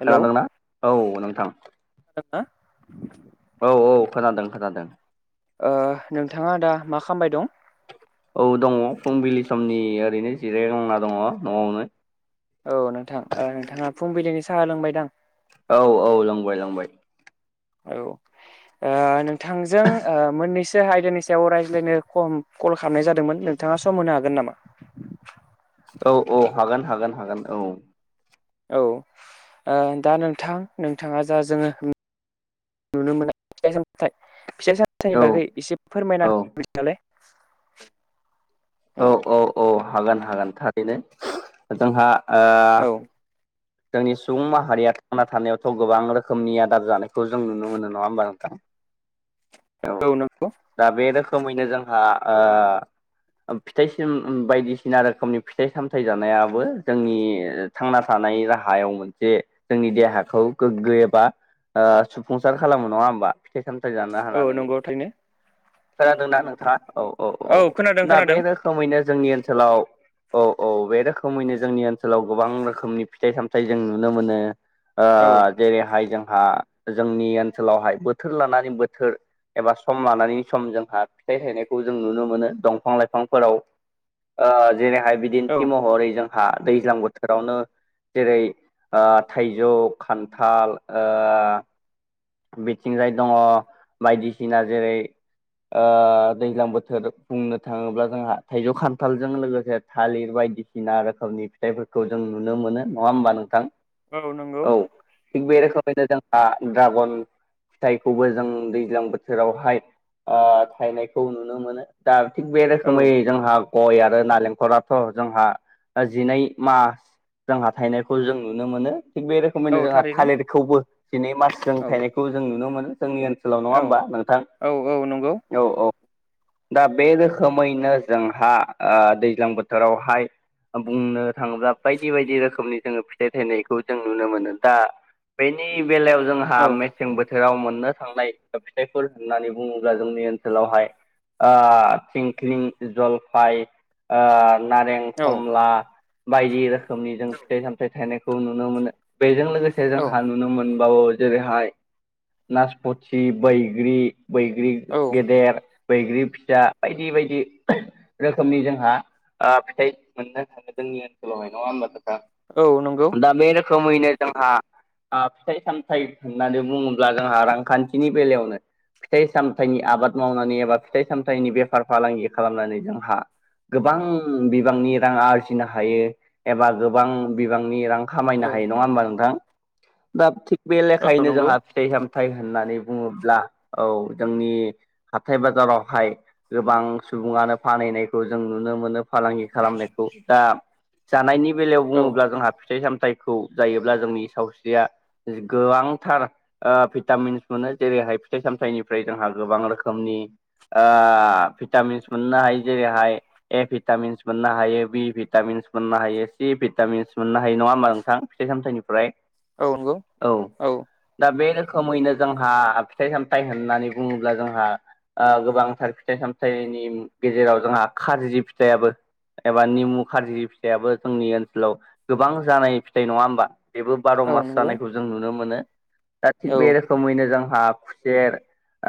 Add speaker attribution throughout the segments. Speaker 1: Hello
Speaker 2: खोनादोंना? औ नोंथां।
Speaker 1: [unintelligible]
Speaker 2: औ औ खोनादों खोनादों।
Speaker 1: ओ नोंथाङा दा मा खामबाय दं?
Speaker 2: औ दङ। फुंबिलि समनि ओरैनो जिरायग्लांना दङ न'आवनो।
Speaker 1: औ नोंथां। ओ नोंथाङा फुंबिलिनि साहा लोंबायदां?
Speaker 2: औ औ लोंबाय लोंबाय।
Speaker 1: औ। ओ नोंथांजों ओ मोननैसो आयदानि सायाव रायज्लायनो कम कल खामनाय जादोंमोन। नोंथाङा सम होनो हागोन नामा?
Speaker 2: औ औ हागोन हागोन हागोन औ।
Speaker 1: औ ओ दा नोंथां नोंथाङा जा जोङो नुनो मोना फिथाइ सामथाइ फिथाइ सामथाइनि
Speaker 2: औ
Speaker 1: बागै एसे फोरमायना
Speaker 2: औ
Speaker 1: होलाय।
Speaker 2: औ औ औ हागोन हागोन थारैनो जोंहा ओ
Speaker 1: औ
Speaker 2: जोंनि सुबुं माहारिया थांना थानायावथ' गोबां रोखोमनि आदार जानायखौ जों नुनो मोनो नङा होमबा नोंथां?
Speaker 1: [inaudible]
Speaker 2: औ दा बे रोखोमैनो जोंहा ओ फिथाइ बायदिसिना रोखोमनि फिथाइ सामथाइ जानायाबो जोंनि थांना थानाय राहायाव मोनसे जोंनि देहाखौ गोग्गो एबा ओ सुफुंसार खालामो नङा होमबा? सामथाइ जानो
Speaker 1: औ
Speaker 2: हानानैनो
Speaker 1: नंगौ थारैनो
Speaker 2: खोनादोंना नोंथाङा औ औ
Speaker 1: खोनादों
Speaker 2: दा
Speaker 1: खोनादों
Speaker 2: बे रोखोमैनो जोंनि ओनसोलाव औ औ बे रोखोमैनो जोंनि ओनसोलाव गोबां रोखोमनि फिथाइ सामथाइ जों नुनो मोनो। ओ
Speaker 1: औ
Speaker 2: जेरैहाय जोंहा जोंनि ओनसोलावहाय बोथोर लानानै बोथोर एबा सम लानानै सम जोंहा फिथाइ थायनायखौ जों नुनो मोनो दं बिफां लाइफांफोराव ओ जेरैहाय
Speaker 1: औ
Speaker 2: बिदिन्थि महरै जों हा दैज्लां बोथोरावनो जेरै ओ थाइजौ खान्थाल ओ बिथिंजाय दङ बायदिसिना जेरै ओ दैज्लां बोथोर बुंनो थाङोब्ला जोंहा थाइजौ खान्थालजों लोगोसे थालिर बायदि बायदिसिना रोखोमनि फिथाइफोरखौ जों नुनो मोनो नङा होमबा नोंथां? औ थिग बे रोखोमैनो जोंहा ड्रागन फिथाइखौबो जों दैज्लां बोथोरावहाय ओ थायनायखौ नुनो मोनो दा थिग बे
Speaker 1: औ
Speaker 2: रोखोमै जोंहा गय आरो नालेंखराथ' जोंहा जिनै मास जोंहा थायनायखौ जों नुनो मोनो थिग बे
Speaker 1: औ
Speaker 2: रोखोमैनो जोंहा
Speaker 1: थारैनो
Speaker 2: थालिरखौबो दिनै मान
Speaker 1: औ
Speaker 2: थायनायखौ जों नुनो मोनो जोंनि ओनसोलाव नङा
Speaker 1: औ
Speaker 2: होमबा नोंथां?
Speaker 1: औ औ नंगौ
Speaker 2: औ औ दा बे रोखोमैनो जोंहा ओ दैज्लां बोथोरावहाय बुंनो थाङोब्ला बायदि बायदि रोखोमनि जोङो फिथाइ थाइनायखौ जों नुनो मोनो दा। बेनि बेलायाव जोंहा
Speaker 1: औ
Speaker 2: मेसें बोथोराव मोननो। थांनाय फिथाइफोर होननानै बुङोब्ला जोंनि ओनसोलावहाय ओ‌ थिंख्लिं, जलफाइ, नारें
Speaker 1: औ
Speaker 2: खमला बायदि रोखोमनि जों फिथाइ सामथायाइ थायनायखौ नुनो मोनो बेजों लोगोसे
Speaker 1: औ
Speaker 2: जोंहा नुनो मोन बावो जेरैहाय नासपथि बैग्रि बैग्रि
Speaker 1: औ
Speaker 2: गेदेर बैग्रि फिसा बायदि बायदि रोखोमनि जोंहा ओ फिथाइ मोननो थाङो जोंनि ओनसोलावहाय नङा ओमबा?
Speaker 1: औ नंगौ
Speaker 2: रोखोमैनो जोंहा ओ फिथाइ सामथाइ होननानै बुङोब्ला जोंहा रांखान्थिनि बेलायावनो फिथाइ सामथाइनि आबाद मावनानै एबा फिथाइ सामथाइनि बेफार फालांगि खालामनानै जोंहा गोबां बिबांनि रां आरजिनो हायो एबा गोबां बिबांनि रां
Speaker 1: औ
Speaker 2: खामायनो हायो नङा ओमबा मबा नोंथां दा थिग बे
Speaker 1: औ
Speaker 2: लेखायैनो
Speaker 1: नंगौ
Speaker 2: जोंहा फिथाइ साम थाइ‌ होननानै बुङोब्ला औ जोंनि हाथाय बाजाराव हाय गोबां सुबुङानो फानहैनायखौ जों नुनो मोनो। फालांगि खालामनायखौ दा जानायनि बेलायाव
Speaker 1: औ
Speaker 2: बुङोब्ला जोंहा फिथाइ साम थाइखौ जायोब्ला जोंनि सावस्रिया गोबांथार भिटामिन्स मोनो। जेरै- हाय फिथाइ सामथाइनिफ्राय जोंहा गोबां रोखोमनि
Speaker 1: [inaudible]
Speaker 2: ओ भिटामिन्स मोननो हायो जेरैहाय ए भिटामिन्स मोननो हायो बि भिटामिन्स मोननो हायो। चि भिटामिन्स मोननो हायो नङा होमा नोंथां फिथाइ सामथाइनिफ्राय
Speaker 1: औ नंगौ औ
Speaker 2: दा बे रोखोमैनो जोंहा फिथाइ सामथाइ होननानै बुङोब्ला जोंहा ओ गोबांथार फिथाइ सामथाइनि गेजेराव जोंहा खारजि फिथाइबो एबा निमु खारजि फिथाइयाबो जोंनि ओनसोलाव गोबां जानाय फिथाइ नङा ओमबा बेबो बार'
Speaker 1: औ
Speaker 2: मास
Speaker 1: नंगौ
Speaker 2: जानायखौ जों नुनो मोनो। दा
Speaker 1: औ
Speaker 2: थिग बे रोखोमैनो जोंहा खुसेर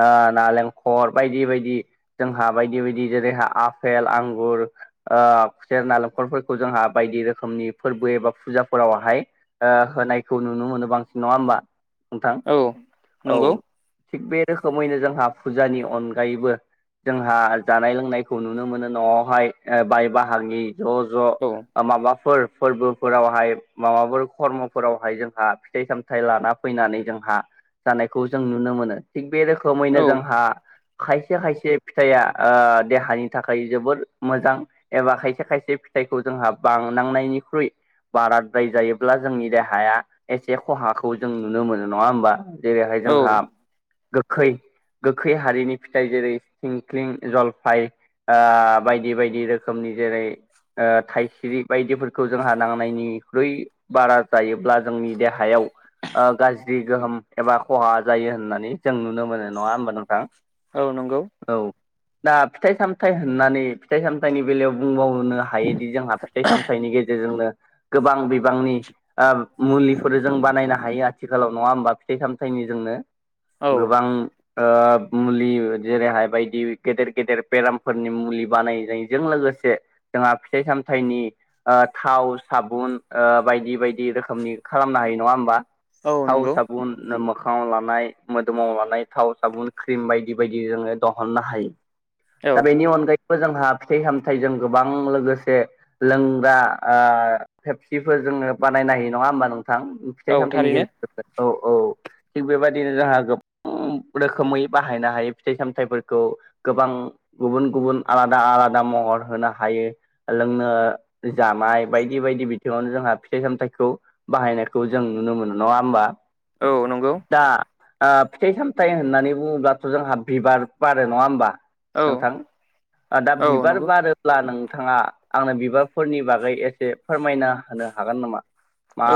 Speaker 2: ओ नालेंखर बायदि बाय दि जोंहा बायदि बायदि जेरैहा आफेल आंगुरु ओ खुसेर नालेंखरफोरखौ जों हा बायदि रोखोमनि फोरबो एबा फुजाफोरावहाय ओ होनायखौ नुनो मोनो बांसिन नङा ओमबा
Speaker 1: औ नंगौ।
Speaker 2: थिग बे रोखोमैनो जोंहा फुजानि अनगायैबो। जोंहा जानाय लोंनायखौ नुनो मोनो न'वावहाय बाय बाहागि ज' ज'
Speaker 1: औ
Speaker 2: माबाफोर फोरबोफोरावहाय माबाफोर करमफोरावहाय जोंहा फिथाइ सामथाइ लाना फैनानै जोंहा जानायखौ जों नुनो मोनो थिग बे रोखोमैनो जोंहा खाय खायसे खायसे फिथाइआ ओ देहानि थाखाय जोबोर मोजां एबा खायसे खायसे फिथाइखौ जों हा बांनांनायनिख्रुइ बाराद्राय जायोब्ला जोंनि देहाया एसे खहाखौ जों नुनो मोनो नङा ओमबा जेरैहाय
Speaker 1: औ
Speaker 2: जोंहा गोखै गोखै हारिनि फिथाइ जेरै सिंख्लिं जलफाइ ओ बायदि बायदि रोखोमनि जेरै थाइसिरि बायदिफोरखौ जोंहा नांनायनिख्रुइ बारा जायोब्ला जोंनि देहायाव ओ गाज्रि गोहोम एबा खहा जायो होननानै जों नुनो मोनो नङा ओमबा नोंथां।
Speaker 1: औ नंगौ।
Speaker 2: औ दा फिथाइ सामथाइ होननानै फिथाइ सामथाइनि बेलायाव बुंबावनो हायोदि जोंहा फिथाइ सामथाइनि गेजेरजोंनो। गोबां बिबांनि ओ मुलिफोर जों बानायनो हायो आथिखालाव नङा ओमबा फिथाइ सामथाइनि जोंनो
Speaker 1: औ
Speaker 2: गोबां ओ मुलि जेरैहाय बायदि गेदेर गेदेर बेरामफोरनि मुलि बानायनायजों लोगोसे जोंहा फिथाइ साम थाइनि ओ थाव साबुन बायदि बायदि रोखोमनि खालामनो हायो नङा ओमबा।
Speaker 1: औ
Speaker 2: थाव
Speaker 1: नंगौ
Speaker 2: साबुन मोखाङाव लानाय मोदोमाव लानाय थाव साबुन क्रिम बायदि बायदि जोङो दिहुननो हायो
Speaker 1: औ
Speaker 2: दा बेनि अनगायै जोंहा फिथाइ सामथाइ जों गोबां लोगोसे लोंग्रा फेबसेफोर जोङो बानायनो हायो नङा होमबा नोंथां
Speaker 1: औ
Speaker 2: फिथाइ सामथाइनि
Speaker 1: थारैनो
Speaker 2: गेजेरजों औ औ थिग बेबायदिनो जोंहा गोबां रोखोमै बाहायनो हायो। फिथाइ सामथाइफोरखौ गोबां गुबुन गुबुन आलादा आलादा महर होनो हायो। लोंनो जानाय बायदि बायदि बिथिङावनो जोंहा फिथाइ सामथाइखौ बाहायनायखौ जों नुनो मोनो नङा होमबा
Speaker 1: औ नंगौ
Speaker 2: दा फिथाइ सामथाइ होननानै बुङोब्लाथ' जोंहा बिबार बारो नङा होमबा
Speaker 1: औ
Speaker 2: नोंथां दा
Speaker 1: औ
Speaker 2: बिबार
Speaker 1: नंगौ
Speaker 2: बारोब्ला नों थाङा आंनो बिबारफोरनि बागै एसे फोरमायना होनो हागोन नामा?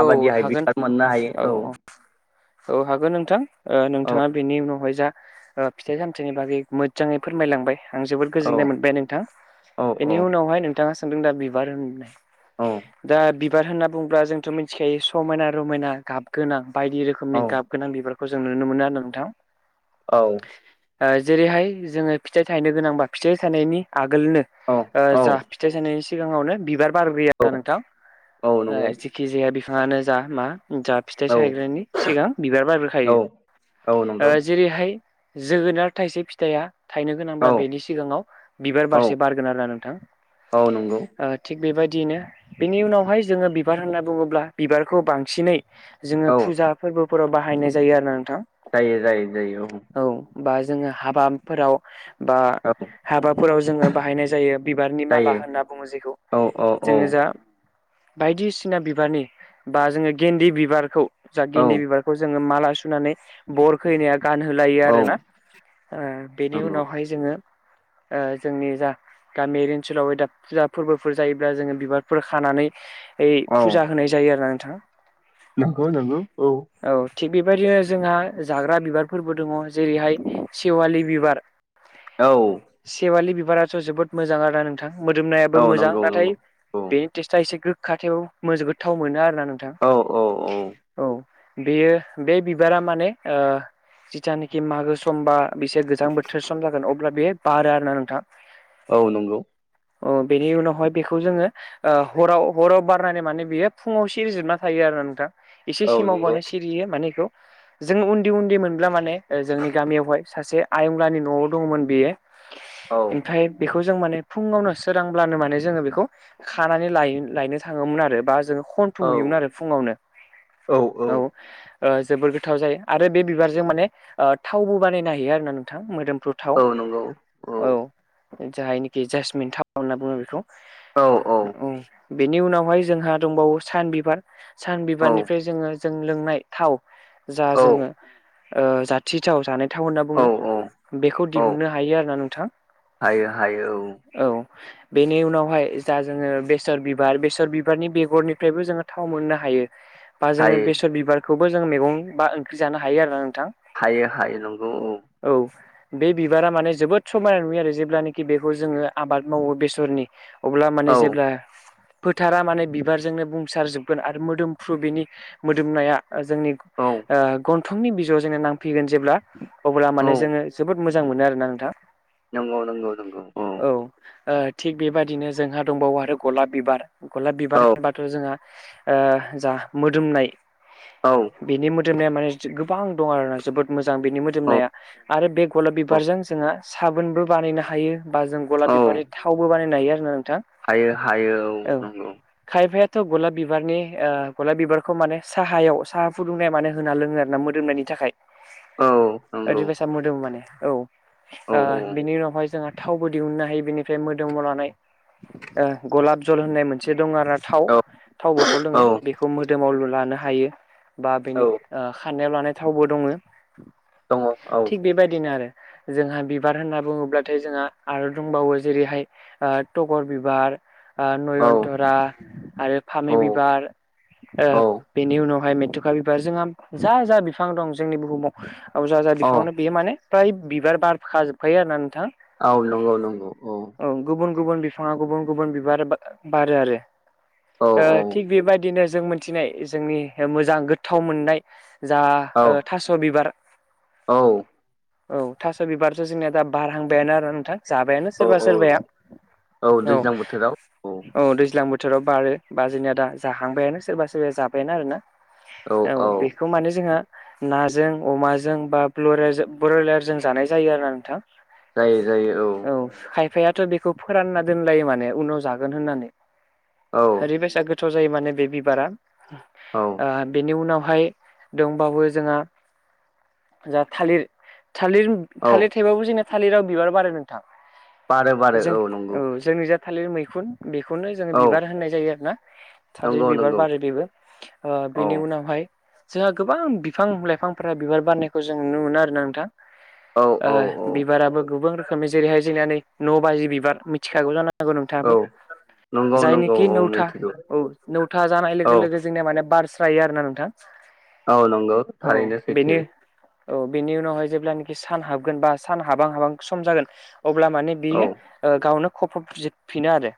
Speaker 1: औ
Speaker 2: बि
Speaker 1: हागोन
Speaker 2: मोननो हायो औ।
Speaker 1: औ हागोन नोंथां नोंथाङा बेनि उनावहाय जा फिथाइ सामथाइनि बागै मोजाङै फोरमायलांबाय आं जोबोद
Speaker 2: औ
Speaker 1: गोजोननाय मोनबाय नोंथां
Speaker 2: औ
Speaker 1: बेनि उनावहाय नों थाङा सानदों दा बिबार होननाय
Speaker 2: औ
Speaker 1: दा बिबार होनना बुङोब्ला जों थ' मिथिखायो समायना रमायना गाबगोनां बायदि
Speaker 2: औ
Speaker 1: रोखोमनि गाब गोनां बिबारफोर खौ जों नुनो मोनो आरो नोंथां।
Speaker 2: औ।
Speaker 1: जेरैहाय जोङो फिथाइ थायनो गोनांबा फिथाइ थानायनि आगोलनो
Speaker 2: औ
Speaker 1: जा फिथाइ सानायनि सिगाङावनो बिबार बाग्रोयो नोंथां
Speaker 2: औ नंगौ
Speaker 1: जेखि जायााया बिफाङानो जा मा जा फिथाइ
Speaker 2: औ
Speaker 1: साहायग्रानि सिगां बिबार
Speaker 2: औ औ
Speaker 1: बारग्रोखायो
Speaker 2: नंगौ
Speaker 1: जेरैहाय जोगोनार थाइसे फिथाइया थायनो गोनांब्ला
Speaker 2: औ
Speaker 1: बेनि सिगाङाव बिबार
Speaker 2: औ
Speaker 1: बारसे बारगोन आरो ना
Speaker 2: औ नंगौ
Speaker 1: नोंथां। थिग बेबायदियैनो बेनि उनावहाय जोङो बिबार होनना बुङोब्ला बिबारखौ बांसिनै जोङो
Speaker 2: औ
Speaker 1: फुजा फोरबोफोराव बाहायनाय जायो आरो नोंथां
Speaker 2: जायो जायो जायो औ
Speaker 1: बा जोङो हाबाफोराव बा
Speaker 2: औ
Speaker 1: हाबाफोराव जोङो बाहायनाय जायो बिबारनि माला
Speaker 2: जायो
Speaker 1: होनना बुङो जेखौ
Speaker 2: औ औ औ
Speaker 1: जोङो जा बायदिसिना बिबारनि बा जोङो गेन्दे बिबारखौ जा
Speaker 2: औ
Speaker 1: गेन्दे बिबारखौ जों माला सुनानै बर' खैनाया गानहोलायो
Speaker 2: औ
Speaker 1: आरोना बेनि
Speaker 2: नंगौ
Speaker 1: उनावहाय जोङो जोंनि जा गामियारि ओनसोलाव दा फुजा फोरबोफोर जायोब्ला जोङो बिबारफोर खानानै
Speaker 2: औ
Speaker 1: फुजा होनाय जायो आरो ना नोंथाङा
Speaker 2: नंगौ नांगौ औ
Speaker 1: थिग बेबायदिनो जोंहा जाग्रा बिबारफोरबो दङ जेरैहाय सेवालि बिबार
Speaker 2: औ
Speaker 1: सेवालि बिबाराथ' जोबोद मोजां आरो ना नोंथां मोदोमनायाबो
Speaker 2: औ
Speaker 1: मोजां
Speaker 2: नंगौ
Speaker 1: नाथाय
Speaker 2: नंगौ औ
Speaker 1: बेनि टेस्टआ एसे गोखाथायाव गोथाव मोनो आरो नोंथां
Speaker 2: औ औ औ
Speaker 1: औ बेयो बे बिबारा माने जिथानखि मागो समबा बेसे गोजां बोथोर सम जागोन अब्ला बे बारो आरोना नोंथां
Speaker 2: औ नंगौ
Speaker 1: अ बेनि उनावहाय बेखौ जोङो हराव हराव बार नानै माने बेयो फुङाव सिरिजोबना थायो आरो नोंथां एसे
Speaker 2: औ नंगौ
Speaker 1: सिमावबानो सिरियो माने बेखौ जोङो उन्दै उन्दै मोनब्ला माने जोंनि गामियावहाय सासे आयंलानि न'आव दङमोन बेयो
Speaker 2: औ
Speaker 1: ओमफ्राय बेखौ जों माने फुङावनो सोरांब्लानो माने जोङो बेखौ खानानै ल लायनो थाङोमोन आरो बा जोङो खन्थ'
Speaker 2: औ
Speaker 1: हैयोमोन आरो फुङावनो औ ओ गोथाव जायो आरो बे बिबारजों माने थावबो बानायनो हायो आरोना नोंथां मोदोम
Speaker 2: औ नंगौ औ
Speaker 1: जायनिखि जासमिन थाव होनना बुङो बेखौ
Speaker 2: औ औ
Speaker 1: बेनि उनावहाय जोंहा दंबावो सान बिबार सान
Speaker 2: औ
Speaker 1: बिबारनिफ्राय जोङो जों लोंनाय थाव जा
Speaker 2: औ
Speaker 1: जोङो ओ जाथिथाव जानाय थाव होनना
Speaker 2: औ
Speaker 1: बुङो बेखौ
Speaker 2: औ
Speaker 1: दिहुननो हायो आरो ना नोंथां
Speaker 2: हायो हायो
Speaker 1: औ बेनि उनावहाय जा जोङो बेसर बिबार बेसर बिबारनि बेगरनिफ्रायबो जोङो थाव मोननो हायो बा जोङो
Speaker 2: हायो
Speaker 1: बेसर बिबारखौबो जों मैगं बा ओंख्रि जानो हायो आरोना नों- थां
Speaker 2: हायो हायो नंगौ
Speaker 1: औ बे बिबारा माने जोबोद समायना नुयो आरो जेब्लानखि बेखौ जोङो आबाद मावो बेसरनि अब्ला माने जेब्ला
Speaker 2: औ
Speaker 1: फोथारा माने बिबारजोंनो बुंसारजोबगोन आरो मोदोमफ्रु बिनि मोदोमनाया जोंनि
Speaker 2: औ
Speaker 1: ओ गन- थंनि बिजौआव जोङो नांफैगोन जेब्ला अब्ला माने
Speaker 2: औ
Speaker 1: जोङो जोबोद मोजां मोनो आरोना नोंथां
Speaker 2: नंगौ नंगौ नंगौ औ
Speaker 1: ओ थिग बेबायदिनो जोंहा दंबावो आरो गलाब बिबार गलाब
Speaker 2: औ
Speaker 1: बिबार होनोबाथ' जोंहा ओ जा मोदोमनाय
Speaker 2: औ
Speaker 1: बेनि मो दोमनाया माने गोबां दं आर ना जोबोद मोजां मोजां बेनि
Speaker 2: औ
Speaker 1: मोदोमनाया आरो बे गलाब
Speaker 2: औ
Speaker 1: बिबारजों जोङो साबोनबो बानायनो हायो बा जों गलाब
Speaker 2: औ
Speaker 1: बिबार बेबादि थावबो बानायनो हायो आरोना नोंथां
Speaker 2: हायो हायो औ नंगौ
Speaker 1: खायफायाथ' गलाब बिबारनि ओ गलाब बिबारखौ माने साहायाव साहा फुदुंनाय मान होना लोङो आरो ना मोदोम नायनि थाखाय
Speaker 2: औ नंगौ
Speaker 1: ओरैबायसा मोदोमो माने औ ओ
Speaker 2: औ
Speaker 1: बिनि उनावहाय जोंहा थावबो दिहुननो हायो बेनिफ्राय मोदोमावा नानाय ओ गलाब जल होननाय मोनसे दङ आरोा थाव
Speaker 2: औ
Speaker 1: थाव बथल दङ
Speaker 2: औ
Speaker 1: बेखौ मोदोमाव लानो हायो हायो बा
Speaker 2: औ
Speaker 1: बेनि खानायाव लानाय थावबो दङ'
Speaker 2: दङ औ औ
Speaker 1: थिग बेबायदिनो आरो जोंहा बिबार होनना बुङोब्लाथाय जोंहा आरो दंबावो जेरैहाय आ टगर बिबार ओ
Speaker 2: औ
Speaker 1: नयनतरा आरो फामि
Speaker 2: औ
Speaker 1: बिबार ओ बेनि उनाव हाय मेथुखा बिबार जोंहा जा जा बिफां दं जोंनि बुहुमाव जा जा
Speaker 2: औ
Speaker 1: बिफाङनो बेयो माने फ्राय बिबार बारखाजोबखायो आरोना नोंथां
Speaker 2: औ नंगौ नंगौ औ
Speaker 1: गुबुन बिफाङा गुबुन गुबुन बिबार बारो आरो
Speaker 2: औ
Speaker 1: ओ थिग
Speaker 2: औ
Speaker 1: बेबायदिनो जों मोनथिनाय जोंनि मोजां गोथाव मोननाय जा
Speaker 2: औ
Speaker 1: थास' बिबार
Speaker 2: औ
Speaker 1: औ थास' बिबार जोंनिया दा बारहांबायानो आरो नोंथां जाबायानो
Speaker 2: औ
Speaker 1: सोरबा
Speaker 2: औ
Speaker 1: सोरबाया औ औ दैज्लां बोथोराव बारो बा जोंनिया दा जाहांबायानो सोरबा सोरबाया जाबायानो आरो ना औ बेखौ माने जोंहा नाजों अमाजों बा बयलार ब्रयलारजों जानाय जायो आरो ना नोंथां
Speaker 2: जायो जायो औ
Speaker 1: बेखौ फोरानना दोनलायो माने उनाव जागोन होननानै
Speaker 2: औ
Speaker 1: ओरैबायसा गो- थाव जायो माने बे बिबारा
Speaker 2: औ
Speaker 1: बेनि उनाव बेहाय दंबावो जोंहा थालिर थालिर
Speaker 2: औ
Speaker 1: थालिर थाइबाबो जोंना थालिराव बिबार बारो नोंथां
Speaker 2: बारो बारो
Speaker 1: जों
Speaker 2: नंगौ
Speaker 1: औ जोंनि जा थालिर मैखुन बेखौनो जोङो
Speaker 2: औ
Speaker 1: बिबार होननाय जायो आरो ना थादिर
Speaker 2: नंगौ
Speaker 1: बिबार
Speaker 2: नंगौ
Speaker 1: बारो बेबो
Speaker 2: औ
Speaker 1: बेनि उनावहाय जोंहा गोबां बिफां लाइफांफोरा बिबार बारनायखौ जों नुनो मोनो आरोना नोंथां
Speaker 2: औ
Speaker 1: ओ
Speaker 2: औ औ
Speaker 1: बिबाराबो गोबां रोखोमनि जेरैहाय जोंनिया नै न' बाजि बिबार मिथिखागौ जानां गौ नोंथाङाबो
Speaker 2: औ नंगौ नंगौ
Speaker 1: जायनिखि
Speaker 2: औ
Speaker 1: नौथा
Speaker 2: मिथिगौ
Speaker 1: औ नौथा जानाय लोगो
Speaker 2: औ
Speaker 1: लोगो जोंनिया माने बार स्रायो आरोना नोंथां
Speaker 2: औ नंगौ
Speaker 1: औ
Speaker 2: थारैनो
Speaker 1: बेनि
Speaker 2: सैथो
Speaker 1: औ बेनि उनावहाय जेब्लानाखि सान हाबगोन बा सान हाबां हाबां सम जागोन अब्ला माने
Speaker 2: औ
Speaker 1: बियो गावनो खफबजोबफिनो आरो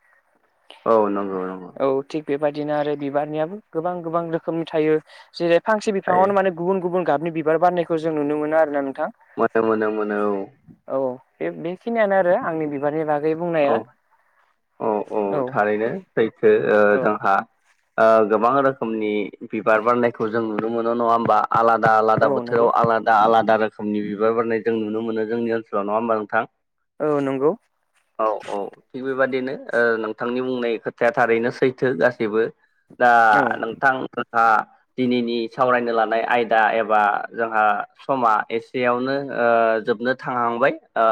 Speaker 2: औ नंगौ नंगौ
Speaker 1: औ थिग बेबायदिनो आरो बिबारनियाबो गोबां गोबां रोखोमनि थायो जेरै फांसे
Speaker 2: थायो
Speaker 1: बिफाङावनो माने गुबुन गुबुन गाबनि बिबार बारनायखौ जों नुनो मोनो आरो ना
Speaker 2: मानो मोनो मोनो औ
Speaker 1: औ बे बेखिनियानो आरो आंनि बिबारनि बागै
Speaker 2: औ
Speaker 1: बुंनाया
Speaker 2: औ औ थारैनो सैथो ओ
Speaker 1: औ
Speaker 2: जोंहा ओ गोबां रोखोमनि बिबार बारनायखौ जों नुनो मोनो नङा होमबा आलादा
Speaker 1: औ
Speaker 2: आलादा
Speaker 1: नंगौ
Speaker 2: बोथोराव आलादा आलादा रोखोमनि बि- बार बारनाय जों नुनो जोंनि ओनसोलाव नङा होमबा नोंथां
Speaker 1: औ नंगौ
Speaker 2: औ औ थिग बेबादिनो नोंथांनि बुंनाय खोथाया थारैनो सैथो गासैबो दा
Speaker 1: औ
Speaker 2: नोंथांमोनहा दिनैनि सावरायनो लानाय आयदा एबा जोंहा समा एसेयावनो ओ जोबनो थांहांबाय ओ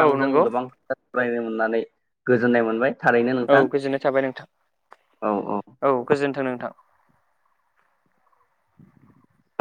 Speaker 1: औ नंगौ
Speaker 2: गोबां सावरायनो मोननानै गोजोननाय मोनबाय थारैनो
Speaker 1: औ
Speaker 2: नोंथां
Speaker 1: गोजोननाय थाबाय नोंथां औ गोजोनथों नोंथां। [inaudible]